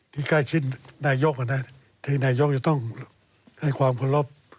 ที่ใกล้ชิ้นนายยกถ้านายยกจะต้องให้ความขอบค์